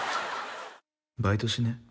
「バイトしねえ？